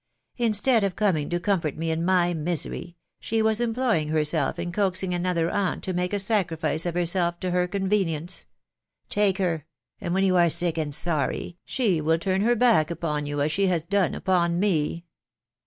Instead of coming to comfort me in my misery, she was employing herself in coaxing another aunt to make a sacrifice of herself to her convenience. Take her ; and when you are sick and sorry, she will turn her back ' upon you, as she has done upon me